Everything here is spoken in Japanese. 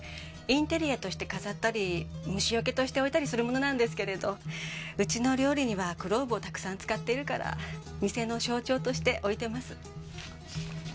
インテリアとして飾ったり虫よけとして置いたりするものなんですけれどうちの料理にはクローブをたくさん使っているから店の象徴として置いてます。